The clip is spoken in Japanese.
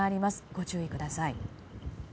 ご注意ください。